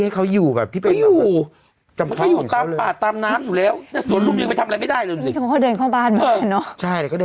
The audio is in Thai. เข้าต่างจากหอม